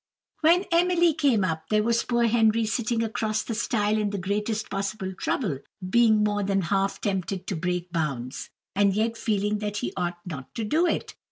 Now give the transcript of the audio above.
When Emily came up, there was poor Henry sitting across the stile in the greatest possible trouble, being more than half tempted to break bounds, and yet feeling that he ought not to do it.